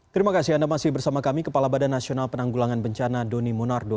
terima kasih anda masih bersama kami kepala badan nasional penanggulangan bencana doni monardo